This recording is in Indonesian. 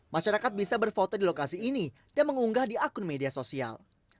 masyarakat bisa berfoto di lokasi ini dan mengunggah di akun media sosial